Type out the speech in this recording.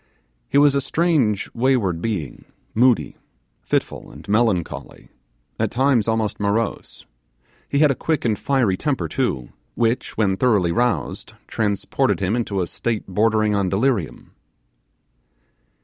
He was a strange wayward being, moody, fitful, and melancholy at times almost morose. He had a quick and fiery temper too, which, when thoroughly roused, transported him into a state bordering on delirium.